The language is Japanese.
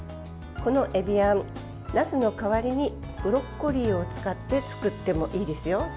このえびあん、なすの代わりにブロッコリーを使って作ってもいいですよ。